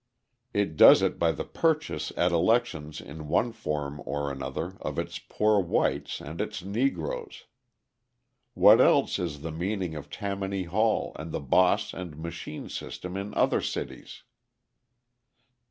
It does it by the purchase at elections in one form or another of its "poor whites" and its Negroes. What else is the meaning of Tammany Hall and the boss and machine system in other cities?